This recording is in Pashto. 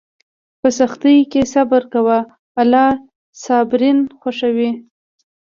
په سختیو کې صبر کوه، الله صابرین خوښوي.